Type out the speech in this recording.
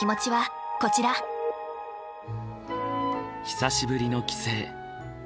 久しぶりの帰省。